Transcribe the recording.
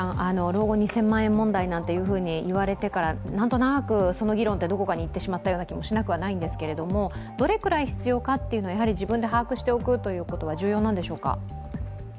老後２０００万円問題なんて言われたときからなんとなく、その議論ってどこかに行ってしまった気がするんですがどれくらい必要かっていうのは自分で把握して送っていうのは重要なんでしょうか？